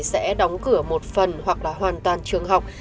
sẽ đóng cửa một phần hoặc là hoàn toàn trường học